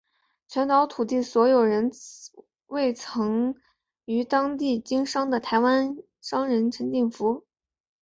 全岛土地所有人为曾于当地经商的台湾商人陈进福。